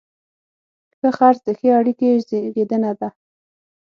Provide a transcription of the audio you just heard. ښه خرڅ د ښې اړیکې زیږنده ده.